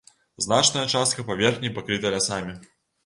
Значная частка паверхні пакрыта лясамі.